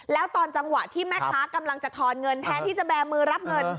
แล้วตอนจังหวะที่แม่ค้ากำลังจะทอนเงินแทนที่จะแบร์มือรับเงิน